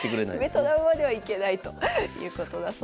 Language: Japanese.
ベトナムまでは行けないということだそうです。